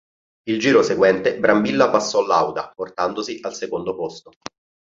Il giro seguente Brambilla passò Lauda, portandosi al secondo posto.